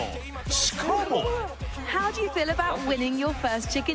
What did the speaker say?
しかも。